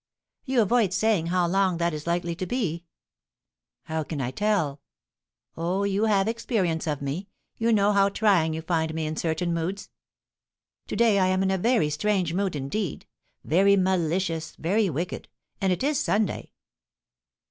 "You avoid saying how long that is likely to be." "How can I tell?" "Oh, you have experience of me. You know how trying you find me in certain moods. To day I am in a very strange mood indeed; very malicious, very wicked. And it is Sunday."